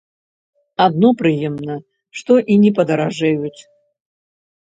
Адно прыемна, што і не падаражэюць.